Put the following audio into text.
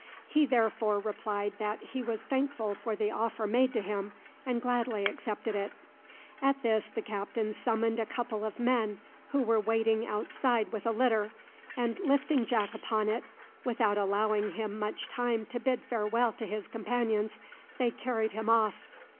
He therefore replied that he was thankful for the offer made to him, and gladly accepted it. At this the captain summoned a couple of men who were waiting outside with a litter, and lifting Jack upon it, without allowing him much time to bid farewell to his companions, they carried him off.